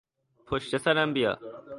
پشت سرم بیا.